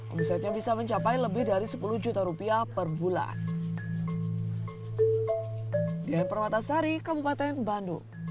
omsetnya bisa mencapai lebih dari sepuluh juta rupiah per bulan